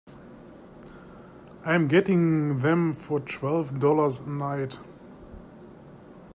I'm getting them for twelve dollars a night.